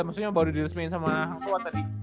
maksudnya baru diresmiin sama kuat tadi